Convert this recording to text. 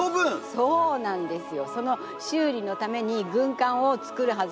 そうなんですよ！